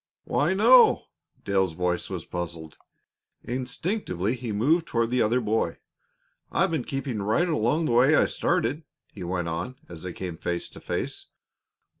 "Why, no!" Dale's voice was puzzled; instinctively he moved toward the other boy. "I've been keeping right along the way I started," he went on, as they came face to face.